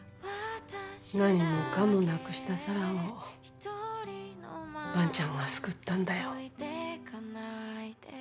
何もかもなくした四朗を萬ちゃんが救ったんだよ。